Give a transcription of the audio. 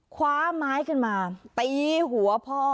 คว้าไม้ขึ้นมาตีหัวพ่อ